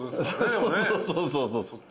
そうそうそうそう。